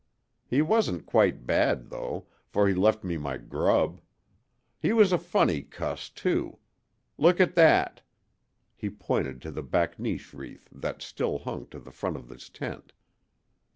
He wasn't quite bad, though, for he left me my grub. He was a funny cuss, too. Look at that!" He pointed to the bakneesh wreath that still hung to the front of his tent.